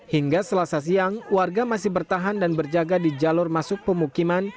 hingga selasa siang warga masih bertahan dan berjaga di jalur masuk pemukiman